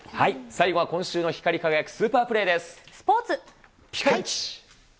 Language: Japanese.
最後は今週の光り輝くスーパスポーツ、ピカイチ。